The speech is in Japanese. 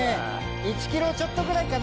１キロちょっとぐらいかな？